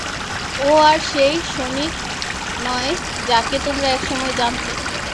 ও আর সেই সনিক নয় যাকে তোমরা একসময় জানতে।